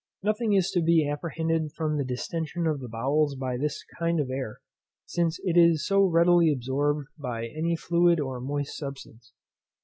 Nothing is to be apprehended from the distention of the bowels by this kind of air, since it is so readily absorbed by any fluid or moist substance.